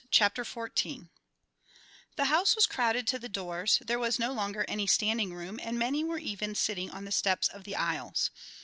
Chapter Fourteen The house was crowded to the doors; there was no longer any standing room and many were even sitting on the steps of the aisles.